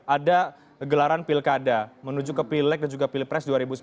ada gelaran pilkada menuju ke pileg dan juga pilpres dua ribu sembilan belas